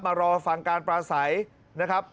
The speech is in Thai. มารอฟังการปราศัยนะครับ